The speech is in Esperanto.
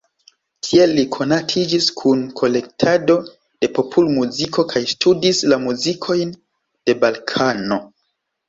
Tiel li konatiĝis kun kolektado de popolmuziko kaj studis la muzikojn de Balkano.